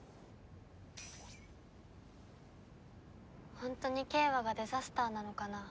ホントに景和がデザスターなのかな？